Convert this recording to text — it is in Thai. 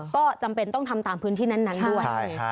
ก็จำเป็นต้องทำตามพื้นที่นั้นด้วย